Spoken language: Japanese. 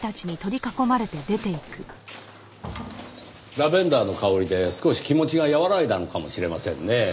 ラベンダーの香りで少し気持ちが和らいだのかもしれませんねぇ。